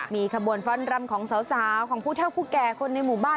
มีขบวนฟันรำของสาวของผู้เท่าผู้แก่คนในหมู่บ้าน